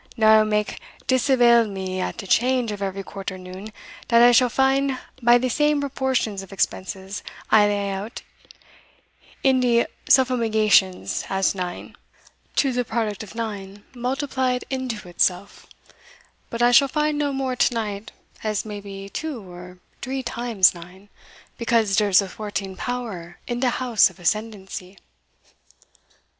Now I will make dis avail me at de change of every quarter moon dat I shall find by de same proportions of expenses I lay out in de suffumigations, as nine, to de product of nine multiplied into itself But I shall find no more to night as maybe two or dree times nine, because dere is a thwarting power in de house of ascendency."